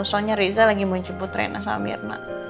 soalnya riza lagi mau jemput rena sama mirna